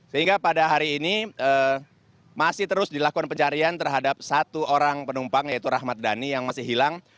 sehingga pada hari ini masih terus dilakukan pencarian terhadap satu orang penumpang yaitu rahmat dhani yang masih hilang